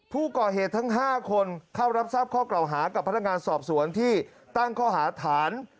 ผู้ก่อเหตุทั้ง๕คนเข้ารับทราบข้อกล่าวหากับพนักงานสอบสวนที่ตั้งข้อหาฐาน